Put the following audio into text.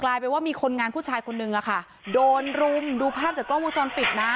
ไปว่ามีคนงานผู้ชายคนนึงอะค่ะโดนรุมดูภาพจากกล้องวงจรปิดนะ